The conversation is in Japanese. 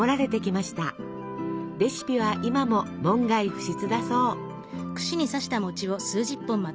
レシピは今も門外不出だそう。